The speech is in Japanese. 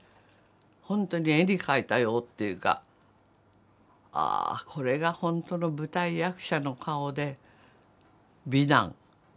本当に絵に描いたようっていうか「ああこれが本当の舞台役者の顔で美男」。